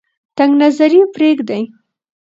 تنگ نظري پریږدئ.